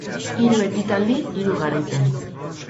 Hiru ekitaldi, hiru garaipen.